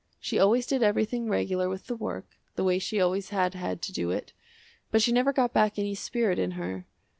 She always did everything regular with the work, the way she always had had to do it, but she never got back any spirit in her.